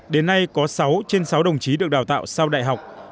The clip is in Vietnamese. đến nay có sáu trên sáu đồng chí được đào tạo sau đại học